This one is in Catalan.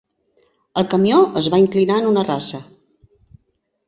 El camió es va inclinar en una rasa.